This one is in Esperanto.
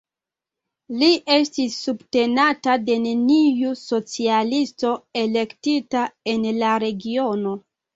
Li estis subtenata de neniu socialisto elektita en la regiono.